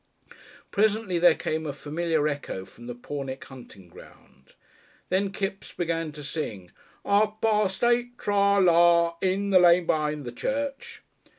Presently there came a familiar echo from the Pornick hunting ground. Then Kipps began to sing, "Ar pars eight tra la, in the lane be'ind the church."